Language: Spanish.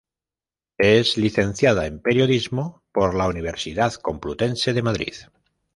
Es licenciada en periodismo por la Universidad Complutense de Madrid.